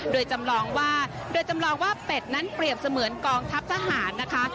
โดยจำลองว่าเป็ดนั้นเปรียบเสมือนกองทัพทหารนะคะ